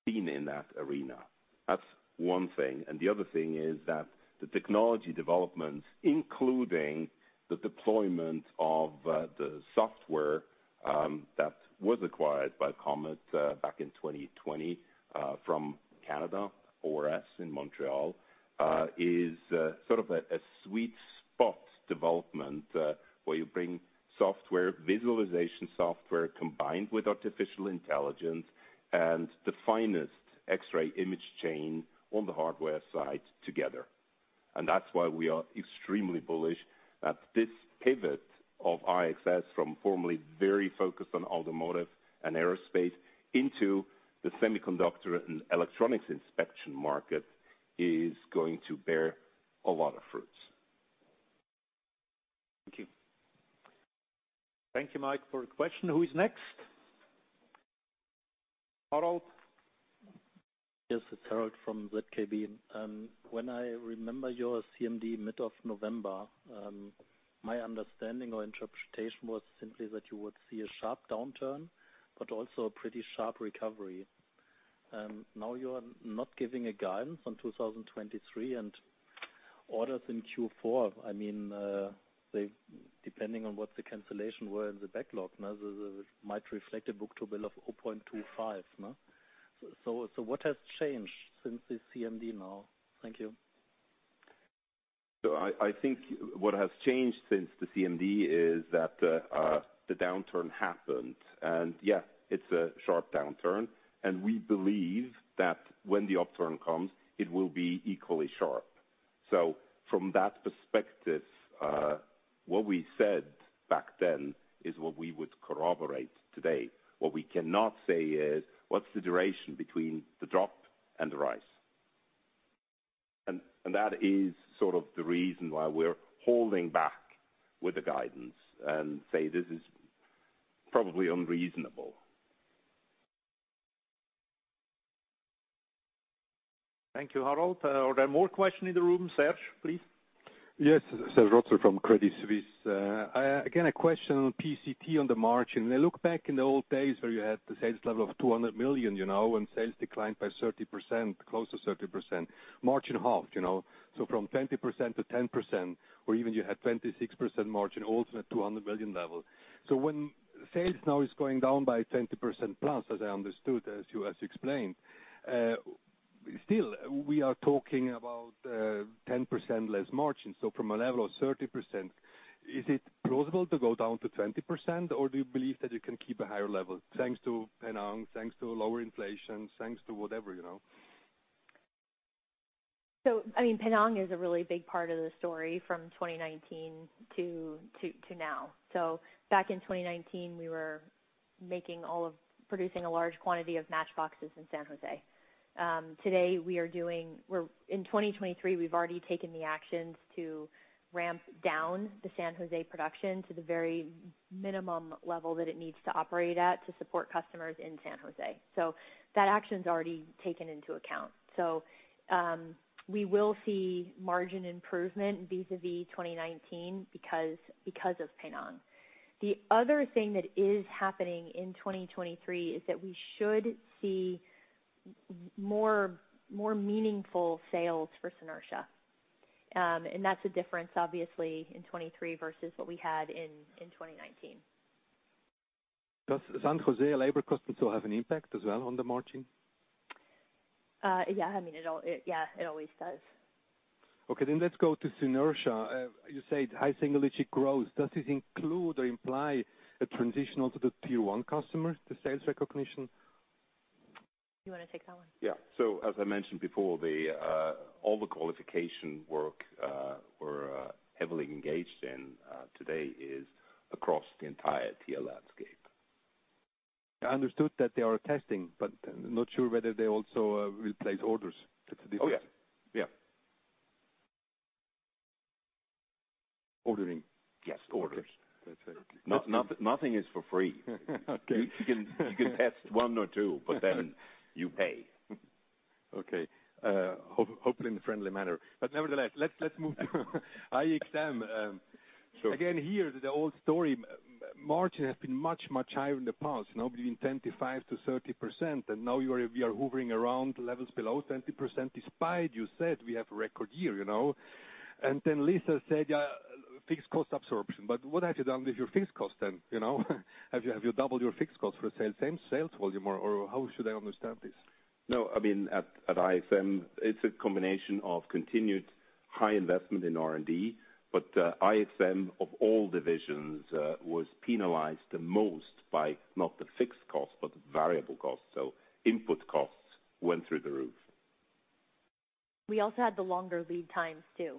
seen in that arena. That's one thing. The other thing is that the technology developments, including the deployment of the software that was acquired by Comet back in 2020 from Canada, ORS in Montreal, is sort of a sweet spot development where you bring software, visualization software combined with artificial intelligence and the finest X-ray image chain on the hardware side together. That's why we are extremely bullish that this pivot of IXS from formerly very focused on automotive and aerospace into the semiconductor and electronics inspection market is going to bear a lot of fruits. Thank you. Thank you, Mike, for the question. Who is next? Harold? Yes, it's Harold from ZKB. When I remember your CMD mid of November, my understanding or interpretation was simply that you would see a sharp downturn, but also a pretty sharp recovery. Now you are not giving a guidance on 2023 and orders in Q4, I mean, depending on what the cancellation were in the backlog, now this might reflect a book-to-bill of 0.25, no? What has changed since the CMD now? Thank you. I think what has changed since the CMD is that the downturn happened, and yes, it's a sharp downturn, and we believe that when the upturn comes, it will be equally sharp. From that perspective, what we said back then is what we would corroborate today. What we cannot say is what's the duration between the drop and the rise. That is sort of the reason why we're holding back with the guidance and say, this is probably unreasonable. Thank you, Harold. Are there more questions in the room? Serge, please. Yes. Serge Rotzer from Credit Suisse. Again, a question on PCT on the margin. I look back in the old days where you had the sales level of 200 million, you know, and sales declined by 30%, close to 30%, margin halved, you know. From 20% to 10% or even you had 26% margin also at 200 million level. When sales now is going down by 20%+, as I understood, as you has explained, still we are talking about 10% less margin. From a level of 30%, is it plausible to go down to 20% or do you believe that you can keep a higher level thanks to Penang, thanks to lower inflation, thanks to whatever you know? I mean, Penang is a really big part of the story from 2019 to now. Back in 2019 we were producing a large quantity of matchboxes in San Jose. Today in 2023 we've already taken the actions to ramp down the San Jose production to the very minimum level that it needs to operate at to support customers in San Jose. That action's already taken into account. We will see margin improvement vis-à-vis 2019 because of Penang. The other thing that is happening in 2023 is that we should see more meaningful sales for Synertia. That's a difference obviously in 23 versus what we had in 2019. Does San Jose labor costs still have an impact as well on the margin? Yeah. I mean, yeah, it always does. Okay, let's go to Synertia. You said high single-digit growth. Does this include or imply a transition onto the tier one customers, the sales recognition? You wanna take that one? Yeah. As I mentioned before, all the qualification work we're heavily engaged in today is across the entire tier landscape. I understood that they are testing but not sure whether they also will place orders. That's the difference. Oh, yeah. Yeah. Ordering? Yes, orders. Okay. That's it. Nothing is for free. Okay. You can test one or two but then you pay. Okay. Hoping in a friendly manner. Nevertheless, let's move to IXM. Sure. Here, the old story. Margin has been much, much higher in the past, you know, between 25%-30%, and now we are hovering around levels below 20% despite you said we have a record year, you know? Lisa said, fixed cost absorption. What have you done with your fixed cost then, you know? Have you doubled your fixed costs for same sales volume or how should I understand this? No. I mean, at IXM, it's a combination of continued high investment in R&D, but IXM of all divisions was penalized the most by not the fixed cost, but the variable cost. Input costs went through the roof. We also had the longer lead times too.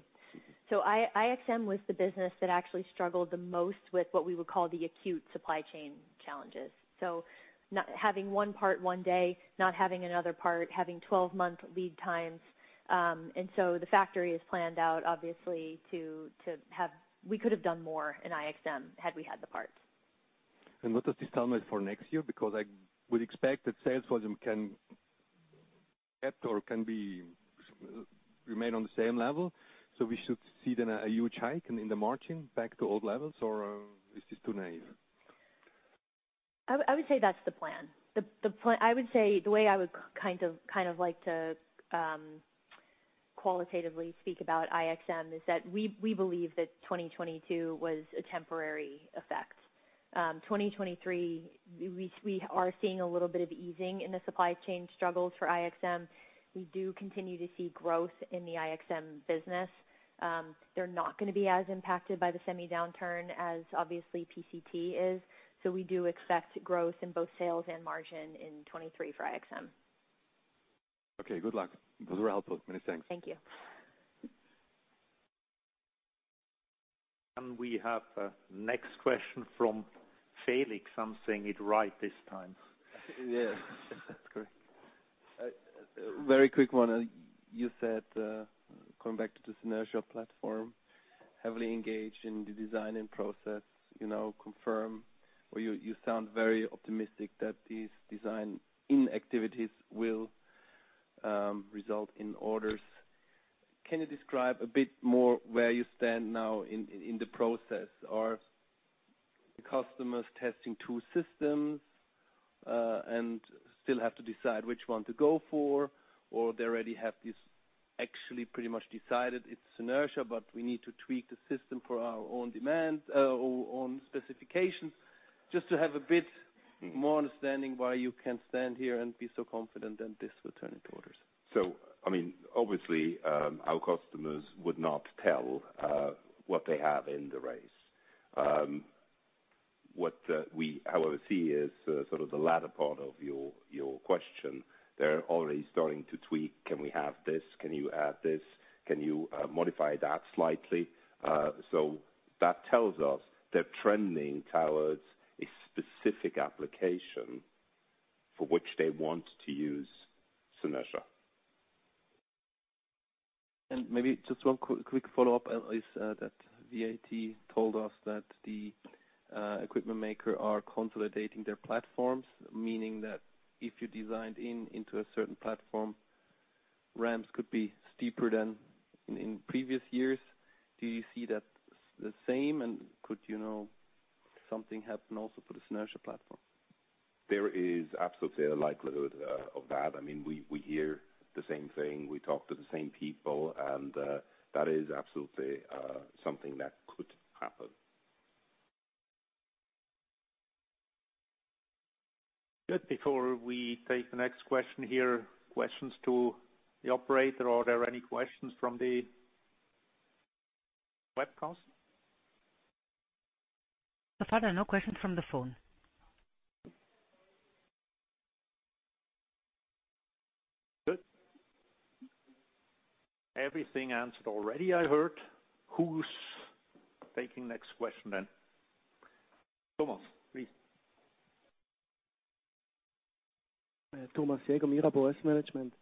Mm-hmm. IXM was the business that actually struggled the most with what we would call the acute supply chain challenges. Having one part one day, not having another part, having 12-month lead times. The factory is planned out obviously to have. We could have done more in IXM had we had the parts. What does this tell me for next year? I would expect that sales volume can remain on the same level, so we should see then a huge hike in the margin back to old levels or is this too naive? I would say that's the plan. The way I would kind of like to qualitatively speak about IXM is that we believe that 2022 was a temporary effect. 2023, we are seeing a little bit of easing in the supply chain struggles for IXM. We do continue to see growth in the IXM business. They're not gonna be as impacted by the semi-downturn as obviously PCT is. We do expect growth in both sales and margin in 2023 for IXM. Okay. Good luck. Those were helpful. Many thanks. Thank you. We have, next question from Felix. I'm saying it right this time. Yes. That's correct. Very quick one. You said, going back to the Synertia platform, heavily engaged in the design and process, you know, confirm or you sound very optimistic that these design in activities will result in orders. Can you describe a bit more where you stand now in the process? Are customers testing two systems and still have to decide which one to go for? Or they already have this actually pretty much decided it's Synertia, but we need to tweak the system for our own demands, or own specifications. Mm-hmm. More understanding why you can stand here and be so confident that this will turn into orders. I mean, obviously, our customers would not tell what they have in the race. What, we however see is, sort of the latter part of your question. They're already starting to tweak, "Can we have this? Can you add this? Can you modify that slightly?" That tells us they're trending towards a specific application for which they want to use Synertia. Maybe just one quick follow-up, is that VIT told us that the equipment maker are consolidating their platforms, meaning that if you designed in into a certain platform, ramps could be steeper than in previous years. Do you see that the same, and could, you know, something happen also for the Synertia platform? There is absolutely a likelihood of that. I mean, we hear the same thing. We talk to the same people. That is absolutely something that could happen. Good. Before we take the next question here, questions to the operator. Are there any questions from the webcast? Far, no questions from the phone. Good. Everything answered already, I heard. Who's taking next question then? Thomas, please. Thomas Jäger, Mirabaud Asset Management.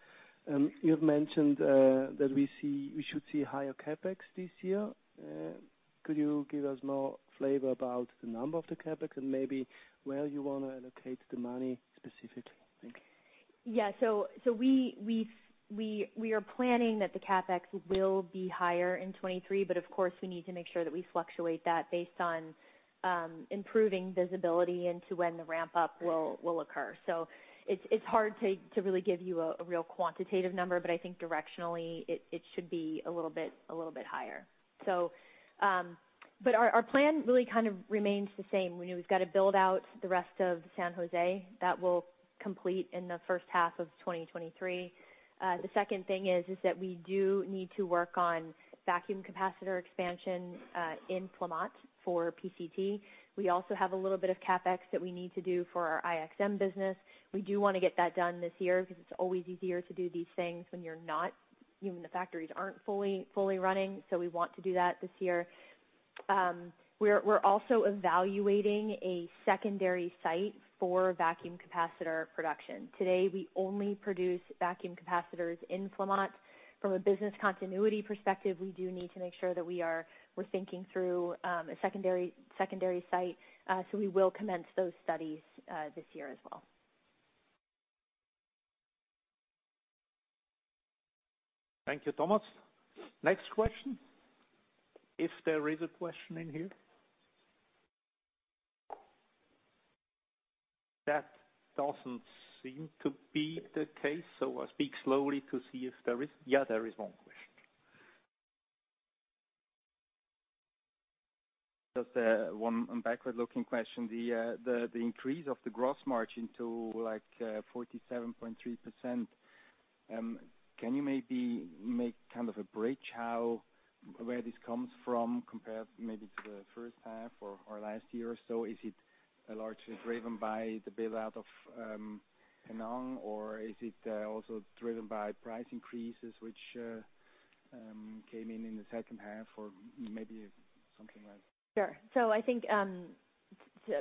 You've mentioned that we should see higher CapEx this year. Could you give us more flavor about the number of the CapEx and maybe where you wanna allocate the money specifically? Thank you. Yeah. We are planning that the CapEx will be higher in 2023, but of course, we need to make sure that we fluctuate that based on improving visibility into when the ramp-up will occur. It's hard to really give you a real quantitative number, but I think directionally, it should be a little bit higher. Our plan really kind of remains the same. We know we've got to build out the rest of San Jose. That will complete in the first half of 2023. The second thing is that we do need to work on vacuum capacitor expansion in Flamatt for PCT. We also have a little bit of CapEx that we need to do for our IXM business. We do wanna get that done this year because it's always easier to do these things when you're not when the factories aren't fully running, so we want to do that this year. We're also evaluating a secondary site for vacuum capacitor production. Today, we only produce vacuum capacitors in Flamatt. From a business continuity perspective, we do need to make sure that we're thinking through a secondary site, so we will commence those studies this year as well. Thank you, Thomas. Next question. If there is a question in here. That doesn't seem to be the case. I'll speak slowly to see if there is. Yeah, there is one question. Just one backward looking question. The increase of the gross margin to like 47.3%, can you maybe make kind of a bridge where this comes from compared maybe to the first half or last year or so? Is it largely driven by the build-out of Penang, or is it also driven by price increases which came in in the second half or maybe something like? Sure. I think,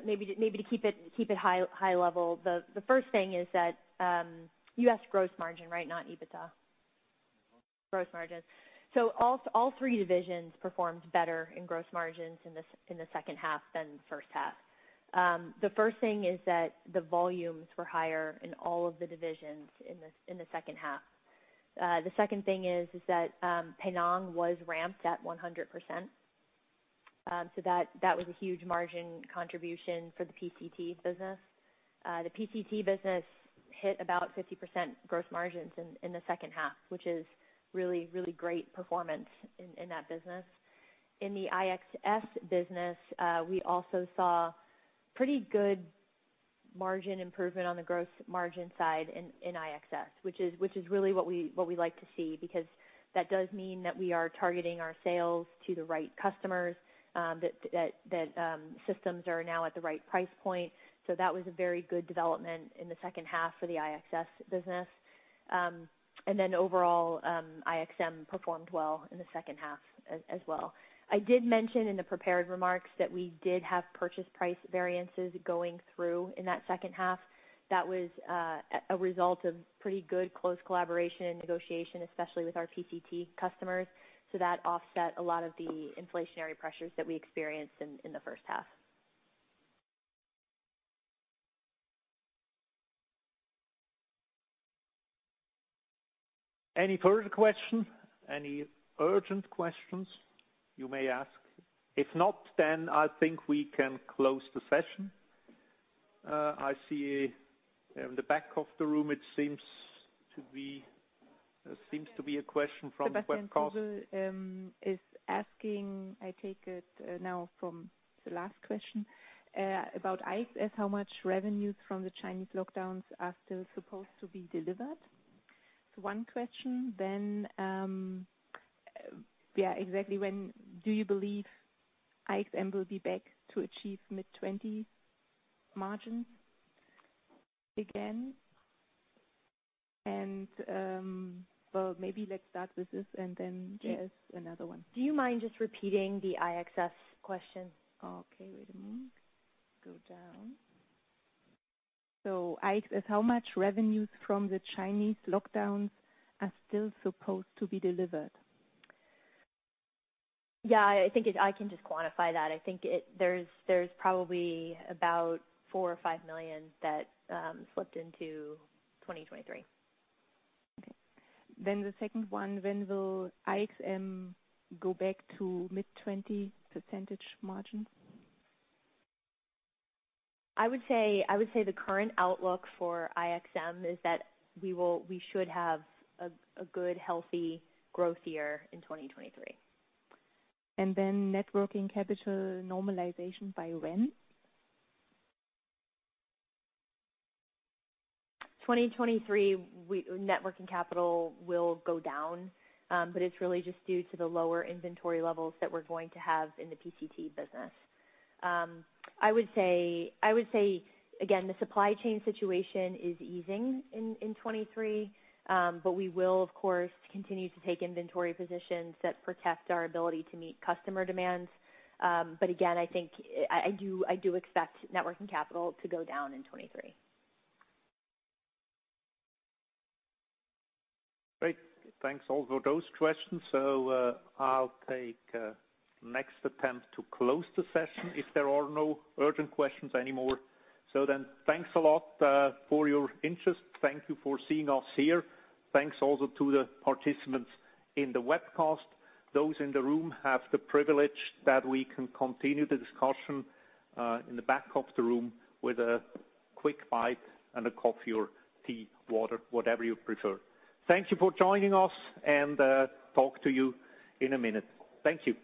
maybe to, maybe to keep it, keep it high, high level, the first thing is that U.S. gross margin, right, not EBITDA. Gross margins. All three divisions performed better in gross margins in the second half than first half. The first thing is that the volumes were higher in all of the divisions in the second half. The second thing is that Penang was ramped at 100%. That, that was a huge margin contribution for the PCT business. The PCT business hit about 50% gross margins in the second half, which is really, really great performance in that business. In the IXS business, we also saw pretty good margin improvement on the gross margin side in IXS, which is really what we like to see because that does mean that we are targeting our sales to the right customers, that systems are now at the right price point. That was a very good development in the second half for the IXS business. Overall, IXM performed well in the second half as well. I did mention in the prepared remarks that we did have purchase price variances going through in that second half. That was a result of pretty good close collaboration and negotiation, especially with our PCT customers. That offset a lot of the inflationary pressures that we experienced in the first half. Any further question? Any urgent questions you may ask? If not, I think we can close the session. I see in the back of the room, it seems to be a question from webcast. Sebastian Kuhl is asking, I take it, now from the last question, about IXS, how much revenues from the Chinese lockdowns are still supposed to be delivered? One question, yeah. Exactly when do you believe IXM will be back to achieve mid-twenty margins again? Well, maybe let's start with this and then there's another one. Do you mind just repeating the IXS question? Okay, wait a minute. Go down. IXS, how much revenues from the Chinese lockdowns are still supposed to be delivered? Yeah, I think I can just quantify that. I think there's probably about 4 million or 5 million that slipped into 2023. Okay. The second one, when will IXM go back to mid-20% margins? I would say the current outlook for IXM is that we should have a good, healthy growth year in 2023. Networking capital normalization by when? 2023, net working capital will go down, but it's really just due to the lower inventory levels that we're going to have in the PCT business. I would say, again, the supply chain situation is easing in 2023, we will of course, continue to take inventory positions that protect our ability to meet customer demands. Again, I think I do expect net working capital to go down in 2023. Great. Thanks also those questions. I'll take next attempt to close the session if there are no urgent questions anymore. Thanks a lot for your interest. Thank you for seeing us here. Thanks also to the participants in the webcast. Those in the room have the privilege that we can continue the discussion in the back of the room with a quick bite and a coffee or tea, water, whatever you prefer. Thank you for joining us, and talk to you in a minute. Thank you.